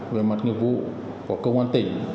về mặt nghiệp vụ của công an tỉnh